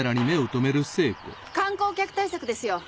観光客対策ですよ。